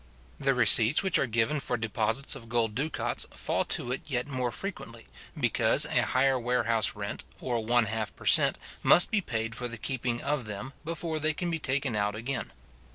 The receipts which are given for deposits of gold ducats fall to it yet more frequently, because a higher warehouse rent, or one half per cent. must be paid for the keeping of them, before they can be taken out again.